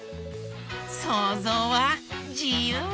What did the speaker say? そうぞうはじゆうだ！